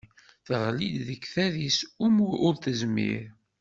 Teɣli-d deg tadist umu ur tezmir.